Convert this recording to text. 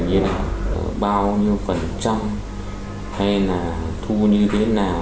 như là bao nhiêu phần trăm hay là thu như thế nào